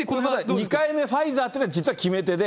２回目ファイザーというのが実は決め手で。